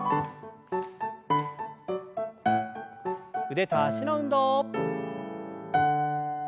腕と脚の運動。